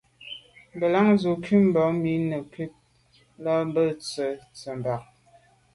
Ngelan ze nkum ba’ mi nekut là bag tswe’ tseba’.